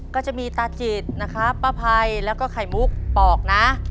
ก็จะมีตาจิตนะครับป้าภัยแล้วก็ไข่มุกปอกนะ